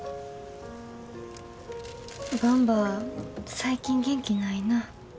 ばんば最近元気ないなぁ。